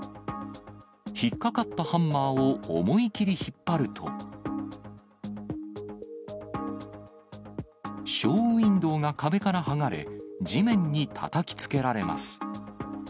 引っ掛かったハンマーを思い切り引っ張ると、ショーウインドーが壁から剥がれ、地面にたたきつけられます。